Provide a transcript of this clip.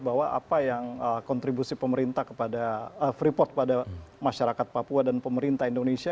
bahwa apa yang kontribusi freeport kepada masyarakat papua dan pemerintah indonesia